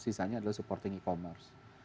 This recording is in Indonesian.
sisanya adalah supporting e commerce